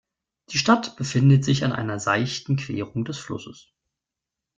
Die Stadt befindet sich an einer seichten Querung des Flusses.